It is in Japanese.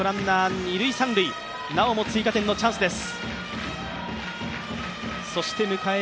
なおも追加点のチャンスです。